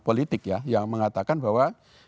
politik ya yang mengatakan bahwa